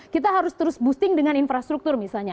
kita harus terus boosting dengan infrastruktur misalnya